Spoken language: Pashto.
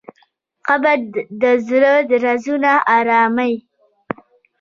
قبر د زړه درزونه اراموي.